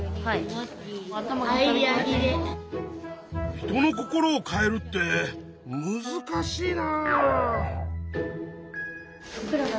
人の心を変えるってむずかしいな！